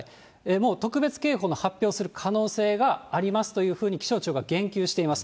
もう特別警報の発表する可能性がありますというふうに、気象庁が言及しています。